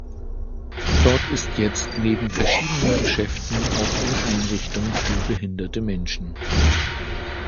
Dort ist jetzt neben verschiedenen Geschäften auch eine Einrichtung für behinderte Menschen.